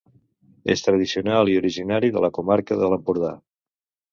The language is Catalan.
És tradicional i originari de la comarca de l'Empordà.